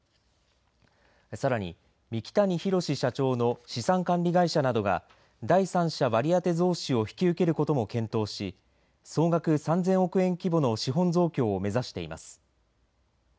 さらに、三木谷浩史社長の資産管理会社などが第三者割当増資を引き受けることも検討し総額３０００億円規模の資本増強を目指しています。